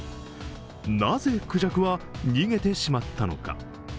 なぜ、くじゃくは逃げてしまったのか？